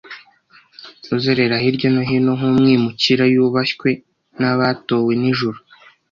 uzerera hirya no hino nk'umwimukira yubashywe n'abatowe n'ijuru.